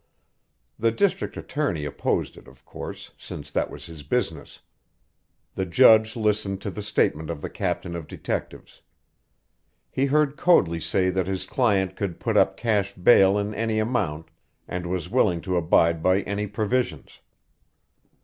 The district attorney opposed it, of course, since that was his business. The judge listened to the statement of the captain of detectives. He heard Coadley say that his client could put up cash bail in any amount, and was willing to abide by any provisions.